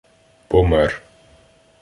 Помер.